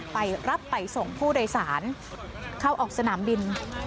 ไปรับไปส่งผู้โดยสารเข้าออกสนามบิน